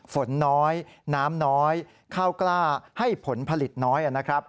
ฝนน้อยน้ำน้อยข้าวกล้าให้ผลผลิตน้อยนะครับ